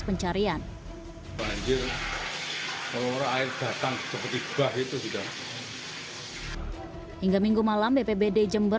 pencarian banjir kalau orang air datang seperti bah itu sudah hingga minggu malam bpbd jember